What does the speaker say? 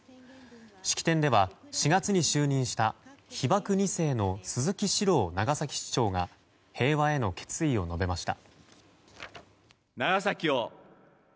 式典では４月に就任した被爆２世の鈴木史朗長崎市長が平和への決意を述べました。